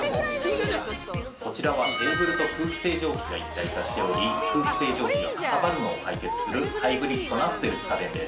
こちらは、テーブルと空気清浄機が一体化しており空気清浄機がかさばるのを解決するハイブリットなステルス家電です。